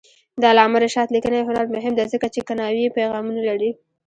د علامه رشاد لیکنی هنر مهم دی ځکه چې کنایوي پیغامونه لري.